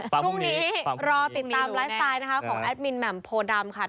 พรุ่งนี้รอติดตามไลฟ์สไตล์นะคะของแอดมินแหม่มโพดำค่ะ